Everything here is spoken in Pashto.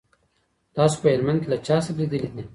تاسو په هلمند کي له چا سره لیدلي دي؟